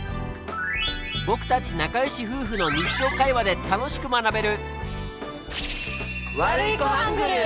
僕たち仲良し夫婦の日常会話で楽しく学べる